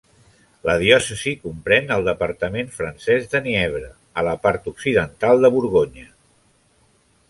La diòcesi comprèn el departament francès de Nièvre, a la part occidental de Borgonya.